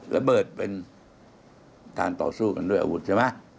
ระเบิดเป็นการต่อสู้กันด้วยอาวุธใช่ไหม